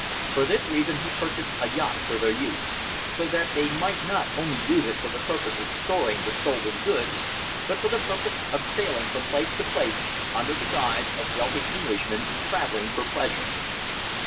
For this reason he purchased a yacht for their use, so that they might not only use it for the purpose of storing the stolen goods, but for the purpose of sailing from place to place under the guise of wealthy Englishmen traveling for pleasure.